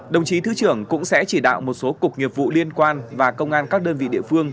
đồng chí thứ trưởng cũng sẽ chỉ đạo một số cục nghiệp vụ liên quan và công an các đơn vị địa phương